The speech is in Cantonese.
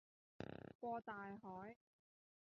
過大海